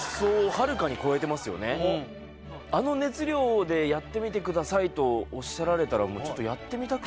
あの熱量でやってみてくださいとおっしゃられたらちょっとやってみたく。